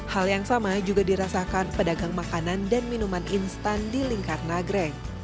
hal yang sama juga dirasakan pedagang makanan dan minuman instan di lingkar nagrek